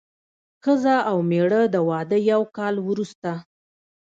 ښځه او مېړه د واده یو کال وروسته.